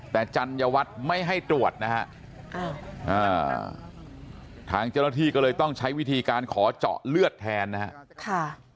แต่จัญญวัตรไม่ให้ตรวจนะฮะทางเจ้าหน้าที่ก็เลยต้องใช้วิธีการขอเจาะเลือดแทนนะครับ